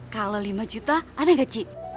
kalau lima juta ada gak cik